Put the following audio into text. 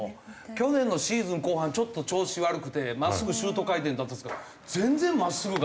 去年のシーズン後半ちょっと調子悪くて真っすぐシュート回転だったですけど全然真っすぐが。